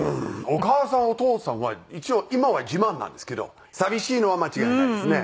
お母さんお父さんは一応今は自慢なんですけど寂しいのは間違いないですね。